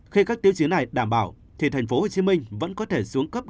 khi các tiêu chí này đảm bảo thì tp hcm vẫn có thể xuống cấp